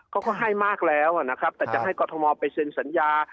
เขาก็ให้มากแล้วนะครับแต่จะให้กรทมไปเซ็นสัญญา